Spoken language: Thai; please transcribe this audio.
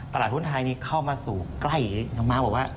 ตลาดทุนท้ายนี้เข้ามาสูงใกล้มากว่า